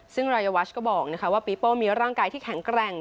ซึ่งรายวัชก็บอกว่าปีโป้มีร่างกายที่แข็งแกร่ง